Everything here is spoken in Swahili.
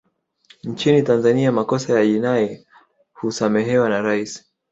nchini tanzania makosa ya jinai husamehewa na rais